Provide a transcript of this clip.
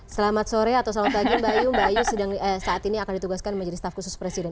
selamat sore atau selamat pagi mbak ayu mbak ayu saat ini akan ditugaskan menjadi staf khusus presiden